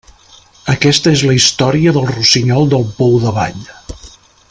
Aquesta és la història del rossinyol del Pou d'Avall.